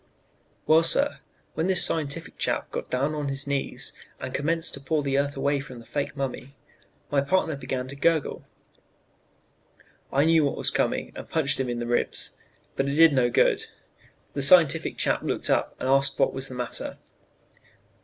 "Well, sir, when this scientific chap got down on his knees, and commenced to paw the earth away from the fake mummy, my partner began to gurgle. I knew what was coming and punched him in the ribs, but it did no good. The scientific chap looked up and asked what was the matter.